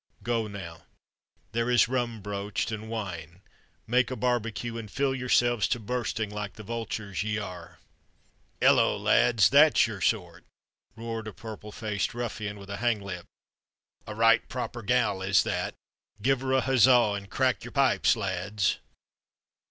Go now; there is rum broached, and wine; make a barbecue, and fill yourselves to bursting like the vultures ye are!" "Hello, lads, that's your sort!" roared a purple faced ruffian with a hang lip. "A right proper gal is that. Give her a huzza and crack yer pipes, lads!"